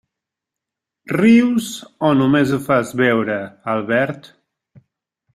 Rius o només ho fas veure, Albert?